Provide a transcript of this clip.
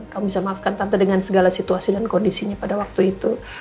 kamu bisa maafkan tante dengan segala situasi dan kondisinya pada waktu itu